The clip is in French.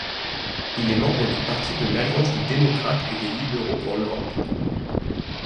Il est membre du parti de l'Alliance des démocrates et des libéraux pour l'Europe.